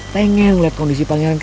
tengeng liat kondisi pangeran kita